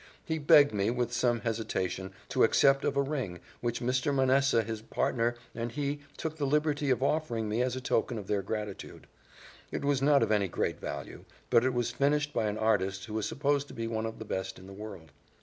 He begged me, with some hesitation, to accept of a ring, which Mr. Manessa his partner and he took the liberty of offering me as a token of their gratitude. It was not of any great value, but it was finished by an artist who was supposed to be one of the best in the world.